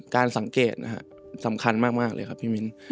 การสังเกตนะฮะสำคัญมากเลยครับพี่มิ้น